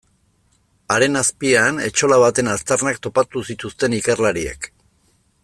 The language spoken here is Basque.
Haren azpian etxola baten aztarnak topatu zituzten ikerlariek.